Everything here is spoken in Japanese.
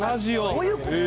どういうこと？